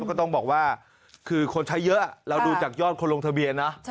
ก็ต้องบอกว่าคือคนใช้เยอะเราดูจากยอดคนลงทะเบียนนะ